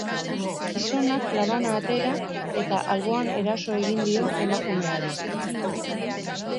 Gizonak labana atera eta alboan eraso egin dio emakumeari.